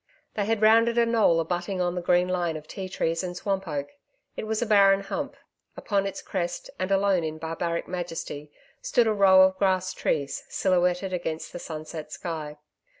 They had rounded a knoll abutting on the green line of ti trees and swamp oak. It was a barren hump; upon its crest, and alone in barbaric majesty, stood a row of grass trees silhouetted against the sunset sky.